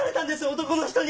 男の人に。